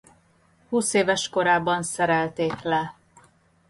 Húszéves korában szerelték le.